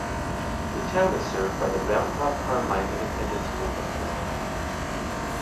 The town is served by the Round Top-Carmine Independent School District.